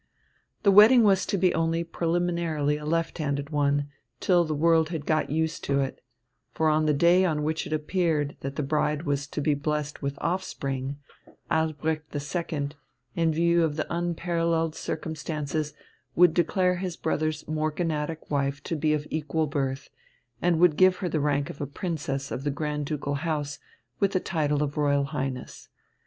The wedding was to be only preliminarily a left handed one, till the world had got used to it: for on the day on which it appeared that the bride was to be blessed with offspring, Albrecht II, in view of the unparalleled circumstances, would declare his brother's morganatic wife to be of equal birth, and would give her the rank of a princess of the Grand Ducal House with the title of Royal Highness.